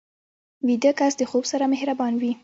ویده کس د خوب سره مهربان وي